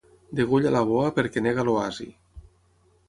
Degolla la boa perquè nega l'oasi.